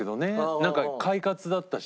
なんか快活だったし。